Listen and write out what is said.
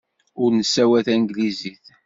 Ur nessawal tanglizit.